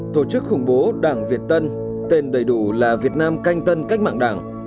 tổ chức khủng bố đảng việt tân tên đầy đủ là việt nam canh tân cách mạng đảng